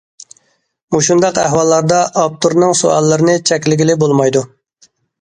مۇشۇنداق ئەھۋاللاردا ئاپتورنىڭ سوئاللىرىنى چەكلىگىلى بولمايدۇ.